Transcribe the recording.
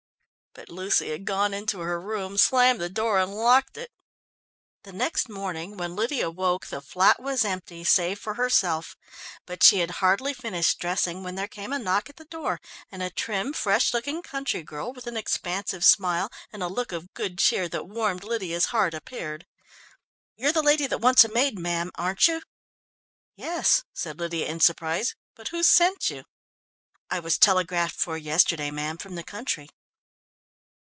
But Lucy had gone into her room, slammed the door and locked it. The next morning when Lydia woke, the flat was empty, save for herself. But she had hardly finished dressing when there came a knock at the door, and a trim, fresh looking country girl, with an expansive smile and a look of good cheer that warmed Lydia's heart, appeared. "You're the lady that wants a maid, ma'am, aren't you?" "Yes," said Lydia in surprise. "But who sent you?" "I was telegraphed for yesterday, ma'am, from the country."